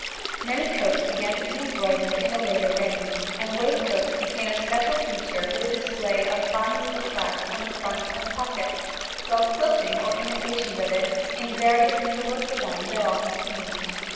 Many coats began to be embroidered in the later reign, and waistcoats became a special feature for the display of fine needlecraft on the fronts and pockets, while quilting or imitations of it in various needlework designs are often seen.